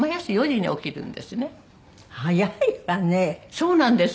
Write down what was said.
そうなんです。